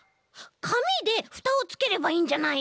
かみでふたをつければいいんじゃない？